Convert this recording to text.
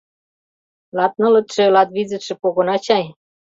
Латнылытше-латвизытше погына чай.